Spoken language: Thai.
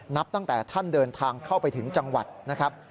นับตั้งแต่ท่านเดินทางเข้าไปถึงจังหวัดนะครับ